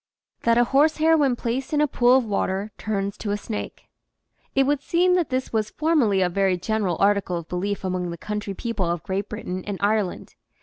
THAT A HORSEHAIR WHEN PLACED IN A POOL OF WATER TURNS TO A SNAKE T would seem that this was formerly a very general article of belief among the country people of Great Britain and Ireland.